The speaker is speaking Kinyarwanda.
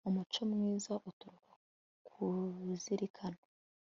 umuco mwiza uturuka ku kuzirikana